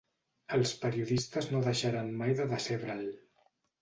Els periodistes no deixaran mai de decebre'l.